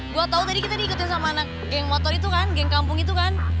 gue tau tadi kita diikuti sama anak geng motor itu kan geng kampung itu kan